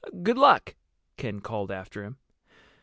"Good luck!" Ken called after him.